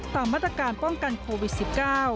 ตามมาตรการป้องกันโควิด๑๙